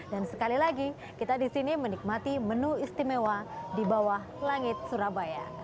sekali lagi kita di sini menikmati menu istimewa di bawah langit surabaya